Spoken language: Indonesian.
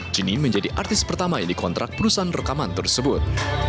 jenny menjadi artis pertama yang dikontrak perusahaan rekaman tersebut